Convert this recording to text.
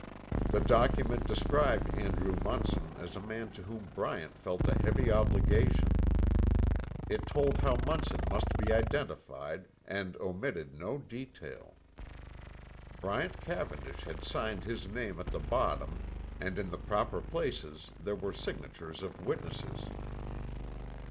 The document described Andrew Munson as a man to whom Bryant felt a heavy obligation. It told how Munson must be identified, and omitted no detail. Bryant Cavendish had signed his name at the bottom, and in the proper places there were signatures of witnesses.